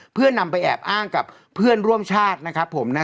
เพื่อนำไปแอบอ้างกับเพื่อนร่วมชาตินะครับผมนะ